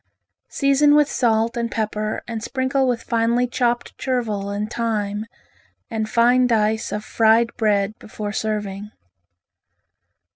Season with salt and pepper and sprinkle with finely chopped chevril and thyme, and fine dice of fried bread before serving.